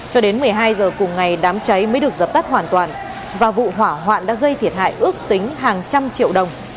cho đến một mươi hai h cùng ngày đám cháy mới được dập tắt hoàn toàn và vụ hỏa hoạn đã gây thiệt hại ước tính hàng trăm triệu đồng